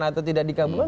atau tidak dikabulkan